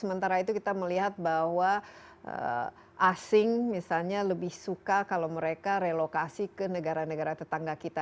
sementara itu kita melihat bahwa asing misalnya lebih suka kalau mereka relokasi ke negara negara tetangga kita